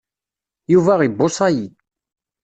Yuba ibuṣa-yi.